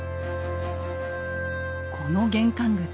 この玄関口